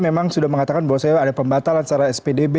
memang sudah mengatakan bahwa saya ada pembatalan secara spdb